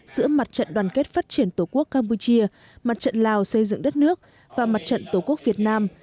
giữa mặt trận đoàn kết phát triển tổ quốc campuchia mặt trận lào xây dựng đất nước và mặt trận tổ quốc việt nam